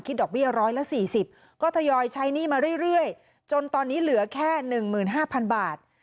กูก็กินมาเรื่อยจนตอนนี้เหลือแค่๑๕๐๐๐บาท